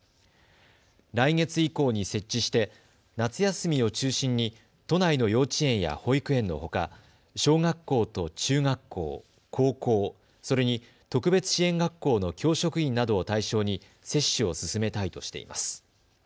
来月以降に設置して夏休みを中心に都内の幼稚園や保育園のほか小学校と中学校、高校、それに特別支援学校の教職員などを対象に接種を進めたいとしています。